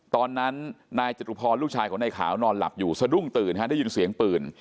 ตอนนั้นนายจตุพรลูกชายของนายขาวนอนหลับอยู่สะดุ้งตื่นฮะได้ยินเสียงปืน